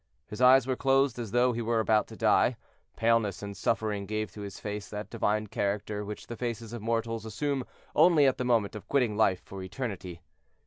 His eyes were closed as though he were about to die, paleness and suffering gave to his face that divine character which the faces of mortals assume only at the moment of quitting life for eternity.